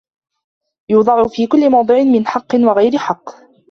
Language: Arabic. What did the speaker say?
يُوضَعَ فِي كُلِّ مَوْضِعٍ مِنْ حَقٍّ وَغَيْرِ حَقٍّ